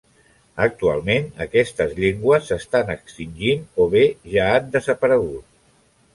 Actualment aquestes llengües s'estan extingint o bé ja han desaparegut.